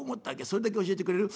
それだけ教えてくれる？